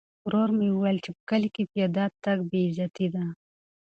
ورور مې وویل چې په کلي کې پیاده تګ بې عزتي ده.